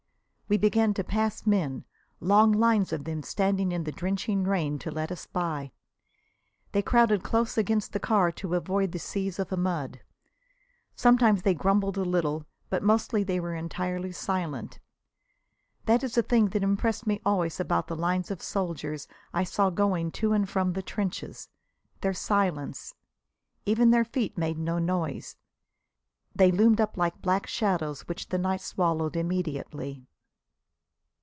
We began to pass men, long lines of them standing in the drenching rain to let us by. They crowded close against the car to avoid the seas of mud. Sometimes they grumbled a little, but mostly they were entirely silent. That is the thing that impressed me always about the lines of soldiers I saw going to and from the trenches their silence. Even their feet made no noise. They loomed up like black shadows which the night swallowed immediately.